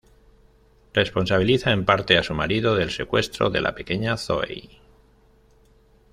Responsabiliza en parte a su marido del secuestro de la pequeña Zoey.